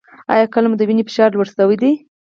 ایا کله مو د وینې فشار لوړ شوی دی؟